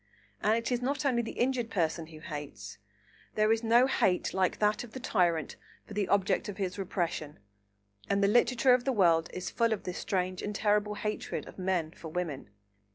And it is not only the injured person who hates; there is no hate like that of the tyrant for the object of his repression, and the literature of the world is full of this strange and terrible hatred of men for women.